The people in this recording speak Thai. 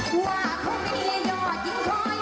เพราะให้รวยต้องมาซวยงานควรทุนวันนี้